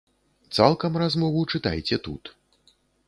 Цалкам размову чытайце тут.